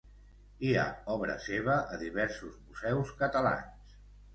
Hi ha obra seva a diversos museus catalans.